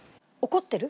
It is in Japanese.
「怒ってる？